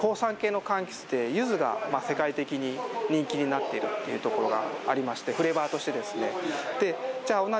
同じ香酸系のかんきつで、ユズが世界的に人気になっているというところがありまして、フレーバーとしてですね。